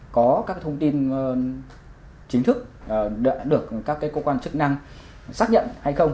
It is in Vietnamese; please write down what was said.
có các thông tin chính thức đã được các cơ quan chức năng xác nhận hay không